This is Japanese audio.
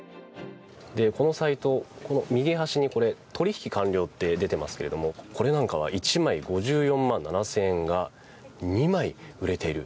このサイト、右端に取引完了って出てますけどもこれなんかは１枚５４万７０００円が２枚売れている。